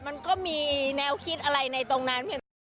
มันก็มีแนวคิดอะไรในตรงนั้น